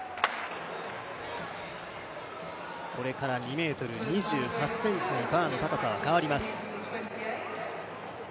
これから２ｍ２８ｃｍにバーの高さは変わります。